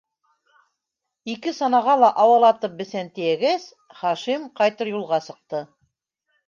Ике санаға ла ауалатып бесән тейәгәс, Хашим ҡайтыр юлға сыҡты.